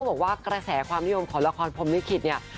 บอกว่ากระแสความนิยมของละครพรมลิขิตเนี่ย